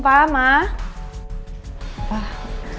assalamualaikum pa ma